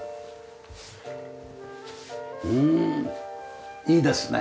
うーんいいですね。